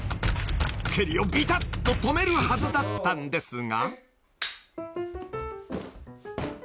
［蹴りをびたっと止めるはずだったんですが］